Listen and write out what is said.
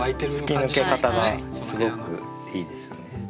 突き抜け方がすごくいいですよね。